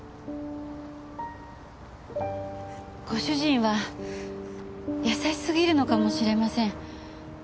ご主人は優しすぎるのかもしれません。